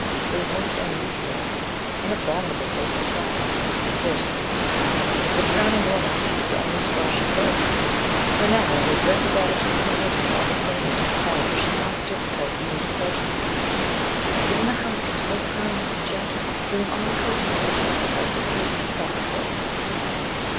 It was most unusual, in abominable taste besides. Of course it was. But the drowning woman seized the only straw she could. For now the aggressive attitude of her husband overcame her to the point where she found it difficult even to question him. Yet in the house he was so kind and gentle, doing all he could to make her sacrifice as easy as possible.